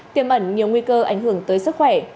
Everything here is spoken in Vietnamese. tiêm ẩn nhiều nguy cơ ảnh hưởng tới sức khỏe